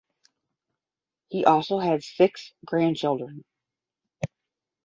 He also had six grandchildren.